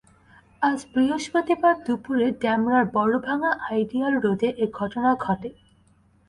আজ বৃহস্পতিবার দুপুরে ডেমরার বড়ভাঙ্গা আইডিয়াল রোডে এ ঘটনা ঘটে।